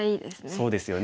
そうですよね。